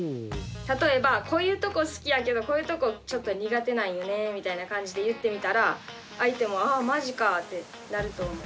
例えばこういうとこ好きやけどこういうとこちょっと苦手なんよねみたいな感じで言ってみたら相手もああまじかってなると思う。